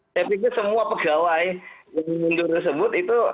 tapi ke semua pegawai yang mundur tersebut itu